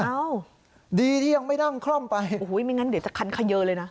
อ้าวดีที่ยังไม่นั่งคล่อมไปโอ้โหไม่งั้นเดี๋ยวจะคันเขยอเลยนะ